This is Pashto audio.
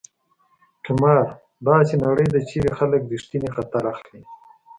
قمار: داسې نړۍ ده چېرې خلک ریښتینی خطر اخلي.